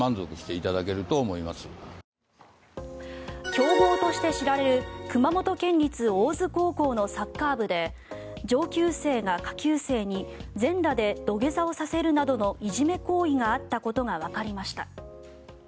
強豪として知られる熊本県立大津高校のサッカー部で上級生が下級生に全裸で土下座をさせるなどのいじめ行為があったことがわかりました。